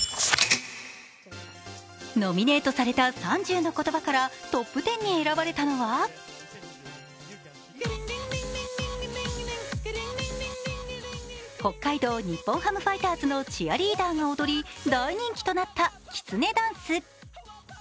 ノミネートされた３０の言葉からトップ１０に選ばれたのは北海道日本ハムファイターズのチアリーダーが踊り大人気となったきつねダンス。